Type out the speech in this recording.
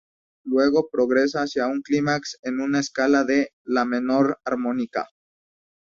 Luego progresa hacia un clímax en una escala de "la" menor armónica.